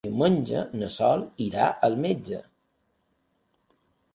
Diumenge na Sol irà al metge.